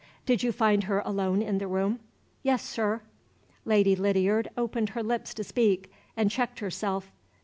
"Did you find her alone in the room?" "Yes, sir." Lady Lydiard opened her lips to speak, and checked herself.